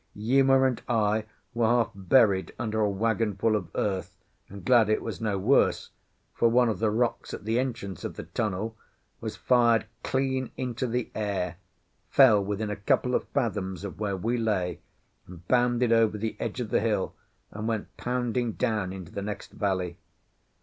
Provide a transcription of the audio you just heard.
Uma and I were half buried under a wagonful of earth, and glad it was no worse, for one of the rocks at the entrance of the tunnel was fired clean into the air, fell within a couple of fathoms of where we lay, and bounded over the edge of the hill, and went pounding down into the next valley.